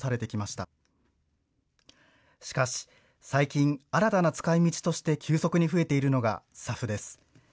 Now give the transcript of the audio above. しかし、最近新たな使いみちとして急速に増えているのがＳＡＦです。